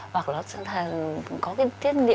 hoặc là nó có cái tiết